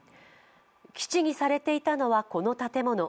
基地にされていたのは、この建物。